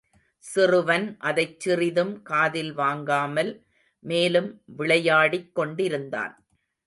சிறுவன் அதைச் சிறிதும் காதில் வாங்காமல் மேலும் விளையாடிக் கொண்டிருந்தான்.